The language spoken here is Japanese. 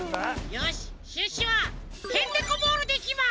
よしシュッシュはヘンテコボールでいきます！